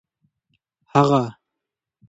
هغه